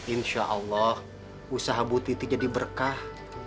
insya allah usaha bu titi jadi berkah